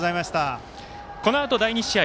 このあと第２試合